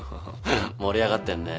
盛り上がってんね。